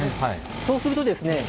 そうするとですね